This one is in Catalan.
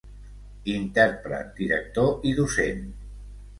Intèrpret, director i docent.